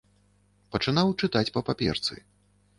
Пачынаў чытаць па паперцы.